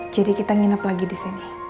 jadi kita nginep lagi disini